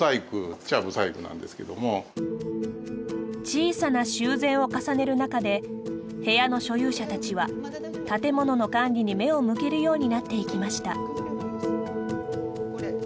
小さな修繕を重ねる中で部屋の所有者たちは建物の管理に目を向けるようになっていきました。